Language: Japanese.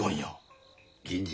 銀次。